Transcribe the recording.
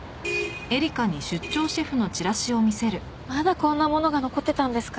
まだこんなものが残ってたんですか。